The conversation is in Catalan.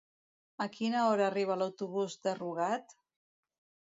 A quina hora arriba l'autobús de Rugat?